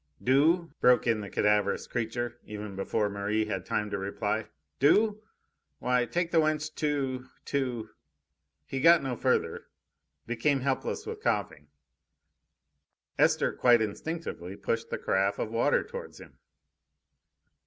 "Do?" broke in the cadaverous creature, even before Merri had time to reply. "Do? Why, take the wench to to " He got no further, became helpless with coughing. Esther, quite instinctively, pushed the carafe of water towards him.